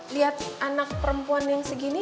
lihat anak perempuan yang segini